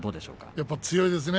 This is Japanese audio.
やっぱり強いですね。